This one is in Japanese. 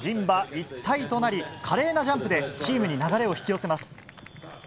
一体となり、華麗なジャンプでチームに流れを引き寄せます。